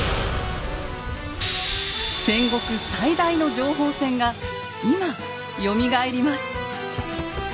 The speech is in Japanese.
戦国最大の情報戦が今よみがえります。